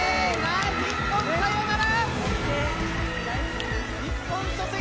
日本サヨナラ！